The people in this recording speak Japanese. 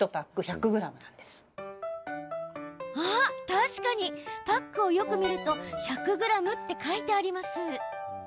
確かに、パックをよく見ると１００ｇって書いてあります。